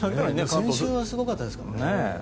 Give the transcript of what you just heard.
先週がすごかったですからね。